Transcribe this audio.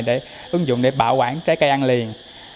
để ứng dụng để bảo quản trái cây ăn liền